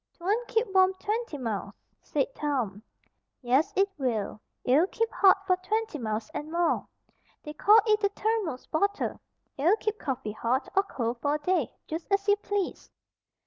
"'Twon't keep warm twenty miles," said Tom. "Yes 'twill. It'll keep HOT for twenty miles and more. They call it a thermos bottle. It'll keep coffee hot, or cold, for a day, just as you please."